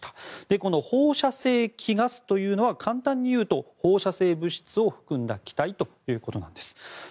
この放射性希ガスというのは簡単に言うと放射性物質を含んだ気体です。